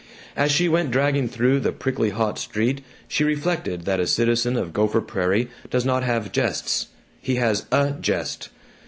As she went dragging through the prickly hot street she reflected that a citizen of Gopher Prairie does not have jests he has a jest.